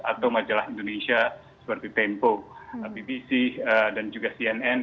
atau majalah indonesia seperti tempo pbc dan juga cnn